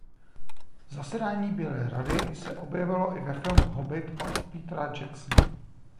Zasedání Bílé Rady se objevilo i ve filmu Hobit od Petera Jacksona.